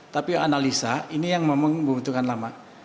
tapi analisa ini yang memang membutuhkan lama